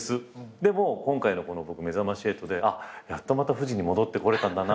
でも今回の『めざまし８』でやっとまたフジに戻ってこれたんだな。